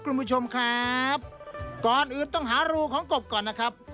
คุณผู้ชมครับก่อนอื่นต้องหารูของกบก่อนนะครับ